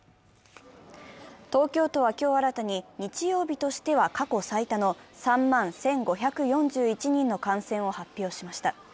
東京都は今日新たに日曜日としては過去最多の３万１５４１人の感染を発表しました。